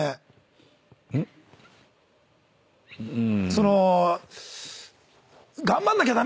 その。